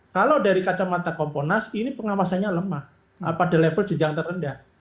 kalau dari kacamata komponas ini pengawasannya lemah pada level jenjang terendah